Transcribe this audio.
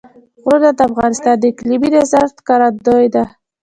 غرونه د افغانستان د اقلیمي نظام ښکارندوی ده.